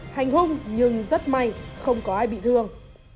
hành hung nhưng rất may không có ai bị thương